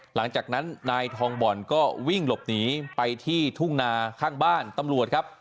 หลังจากนั้นนายทองบ่อนก็วิ่งหลบหนีไปที่ทุ่งนาข้างบ้านตำรวจครับ